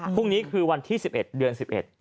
พรุ่งนี้คือวันที่๑๑เดือน๑๑